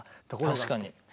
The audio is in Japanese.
確かに。